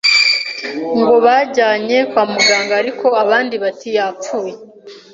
ngo banjyane kwa muganga ariko abandi bati yapfuye,